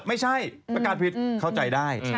ไม่ใช่ประการผิดเข้าใจได้